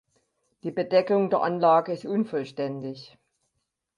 Die Bedeckung der Anlage ist unvollständig.